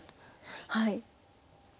はい。